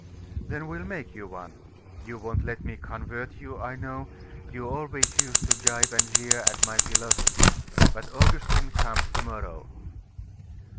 'Then we'll make you one. You won't let me convert you, I know; you always used to gibe and jeer at my philosophy. But Augustine comes to morrow.